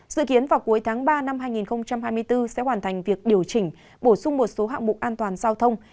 dự kiến vào cuối tháng ba năm hai nghìn hai mươi bốn sẽ hoàn thành việc điều chỉnh bổ sung một số hạng mục an toàn giao thông